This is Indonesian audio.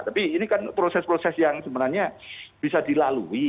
tapi ini kan proses proses yang sebenarnya bisa dilalui